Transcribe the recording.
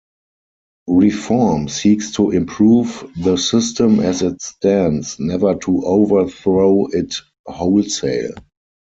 Reform seeks to improve the system as it stands, never to overthrow it wholesale.